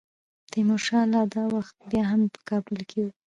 تیمورشاه لا دا وخت بیا هم په کابل کې وو.